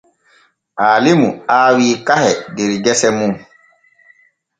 Aalimu aawi kahe der gese mun.